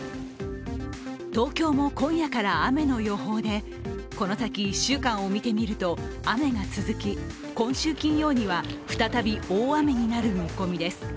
東京も今夜から雨の予報でこの先１週間を見てみると雨が続き、今週金曜には再び、大雨になる見込みです。